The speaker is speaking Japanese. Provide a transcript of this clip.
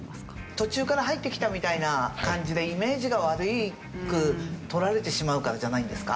途中から入ってきたみたいな感じでイメージが悪く取られてしまうからじゃないんですか？